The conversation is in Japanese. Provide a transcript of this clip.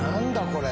これ。